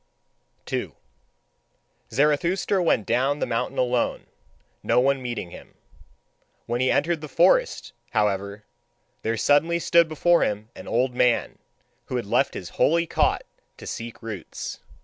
2. Zarathustra went down the mountain alone, no one meeting him. When he entered the forest, however, there suddenly stood before him an old man, who had left his holy cot to seek roots.